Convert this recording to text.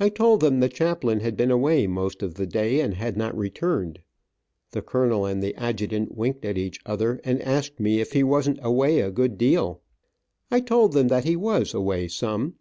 I told them the chaplain had been away most of the day, and had not returned. The colonel and the adjutant winked at each other, and asked me if he wasn t away a good deal. I told them that he was away some.